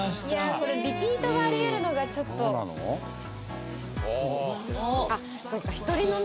これリピートがありえるのがちょっとあっそっかひとり飲み？